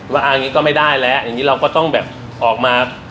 ว่าเอาอย่างนี้ก็ไม่ได้แล้วอย่างนี้เราก็ต้องแบบออกมา